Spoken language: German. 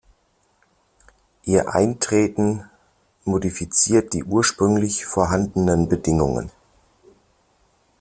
Ihr Eintreten modifiziert die ursprünglich vorhandenen Bedingungen.